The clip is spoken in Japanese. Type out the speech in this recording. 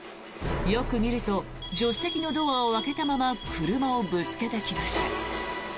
よく見ると助手席のドアを開けたまま車をぶつけてきました。